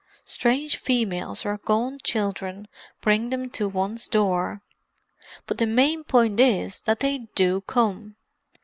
Strange females or gaunt children bring them to one's door, but the main point is that they do come.